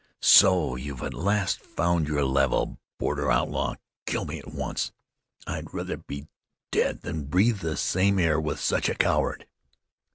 "So you've at last found your level. Border outlaw! Kill me at once. I'd rather be dead than breathe the same air with such a coward!"